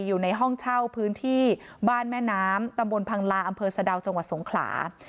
อยู่ในห้องเช่าพื้นที่บ้านแม่น้ำตำบลพังลาอำเภอสะดาวจังหวัดสงขลา